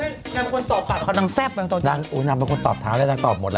นางควรตอบปากเขานางแซ่บนางตอนดังโอ้นางเป็นคนตอบเท้าแล้วนางตอบหมดอ่ะ